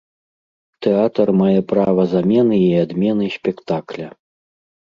Тэатр мае права замены і адмены спектакля!